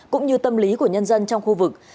cũng như tâm lý của nhân dân trong khu vực